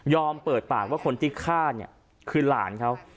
ยอมเปิดปากว่าคนที่ฆ่าคือหลานเขา